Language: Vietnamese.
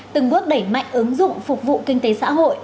từng bước đẩy mạnh ứng dụng phục vụ kinh tế xã hội